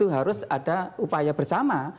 harus ada upaya bersama